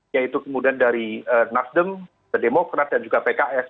yaitu kemudian dari nasdem the democrat dan juga pks